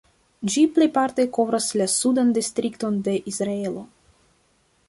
Ĝi plejparte kovras la Sudan Distrikton de Israelo.